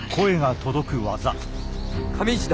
亀一だ。